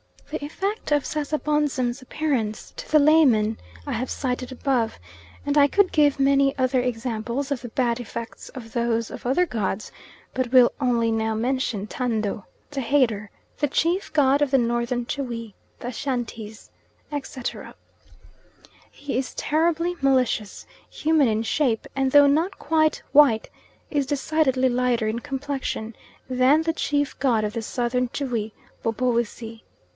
The effect of Sasabonsum's appearance to the layman I have cited above, and I could give many other examples of the bad effects of those of other gods, but will only now mention Tando, the Hater, the chief god of the Northern Tschwi, the Ashantees, etc. He is terribly malicious, human in shape, and though not quite white, is decidedly lighter in complexion than the chief god of the Southern Tschwi, Bobowissi.